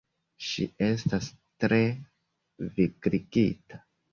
Ŝi estas tre vigligita.